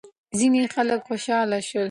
ځینې خلک خوشحال شول.